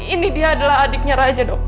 ini dia adalah adiknya raja dok